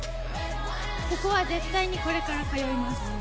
ここは絶対にこれから通います。